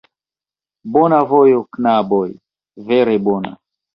Bona vojo, knaboj, vere bona.